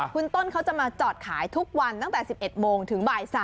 คุณต้นเขาจะมาจอดขายทุกวันตั้งแต่๑๑โมงถึงบ่าย๓